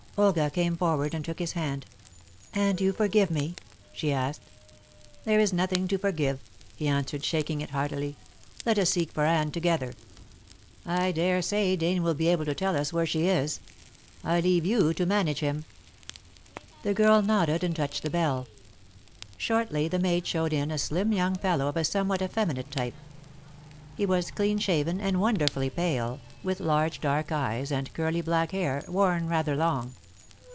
Olga came forward and took his hand. "And you forgive me?" she asked. "There is nothing to forgive," he answered, shaking it heartily. "Let us seek for Anne together. I daresay Dane will be able to tell us where she is. I leave you to manage him." The girl nodded and touched the bell. Shortly the maid showed in a slim young fellow of a somewhat effeminate type. He was clean shaven and wonderfully pale, with large dark eyes and curly black hair, worn rather long.